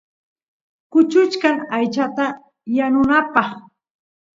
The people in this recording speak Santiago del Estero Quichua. kuchuchkan aychata yanunapaq